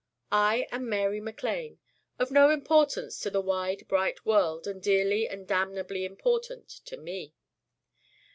I am Mary MacLane: of no importance to the wide bright world and dearly and damnably important to Me.